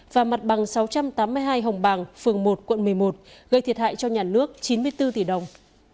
và mặt bằng sáu trăm tám mươi hai hồng bàng phường một quận một mươi một gây thiệt hại cho nhà nước chín mươi bốn tỷ đồng